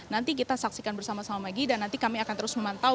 nanti kita saksikan bersama sama maggie dan nanti kami akan terus memantau